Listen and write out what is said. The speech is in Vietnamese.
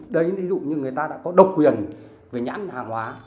đấy ví dụ như người ta đã có độc quyền về nhãn hàng hóa